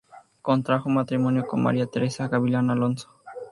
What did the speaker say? Contrajo matrimonio con María Teresa Gavilán Alonso.